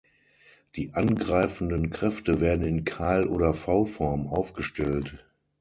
Die angreifenden Kräfte werden in Keil- oder V-Form aufgestellt.